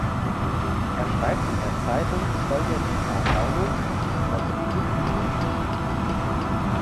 Er schreibt in der Zeitung "Folha de São Paulo" über Politik und Kunst.